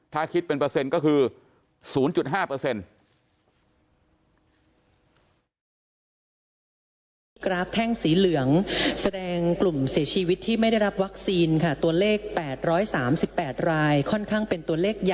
ถ้าคิดเป็นเปอร์เซ็นต์ก็คือ๐๕เปอร์เซ็นต์